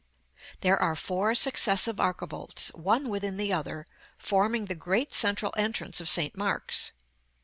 § LI. There are four successive archivolts, one within the other, forming the great central entrance of St. Mark's.